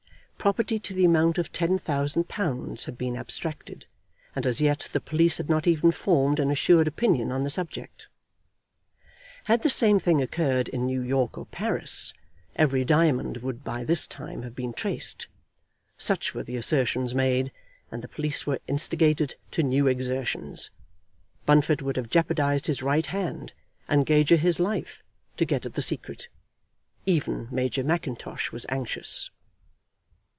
Property to the amount of ten thousand pounds had been abstracted, and as yet the police had not even formed an assured opinion on the subject! Had the same thing occurred in New York or Paris every diamond would by this time have been traced. Such were the assertions made, and the police were instigated to new exertions. Bunfit would have jeopardised his right hand, and Gager his life, to get at the secret. Even Major Mackintosh was anxious.